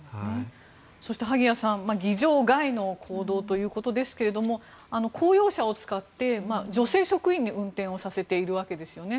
そして萩谷さん議場外の行動ということですが公用車を使って女性職員に運転をさせているわけですよね。